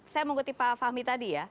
saya mengikuti pak fahmi tadi ya